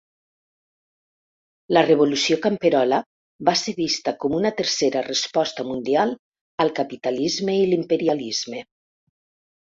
La revolució camperola va ser vista com una tercera resposta mundial al capitalisme i l'imperialisme.